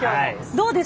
どうですか？